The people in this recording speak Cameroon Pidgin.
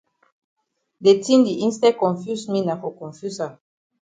De tin di instead confuse me na for confuse am.